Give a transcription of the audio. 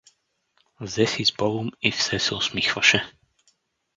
Взе си сбогом и все се усмихваше.